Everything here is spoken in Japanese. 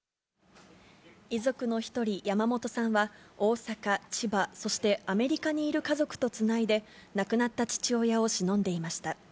遺族の１人、山本さんは、大阪、千葉、そしてアメリカにいる家族とつないで、亡くなった父親をしのんでいました。